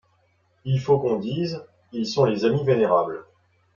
Il faut qu'on dise : -Ils sont les amis vénérables